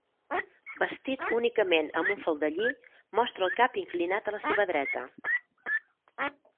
Vestit únicament amb un faldellí, mostra el cap inclinat a la seva dreta.